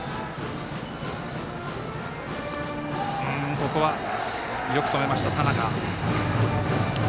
ここはよく止めました、佐仲。